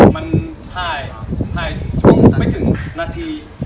มันถ่ายช่วงไม่ถึงนาที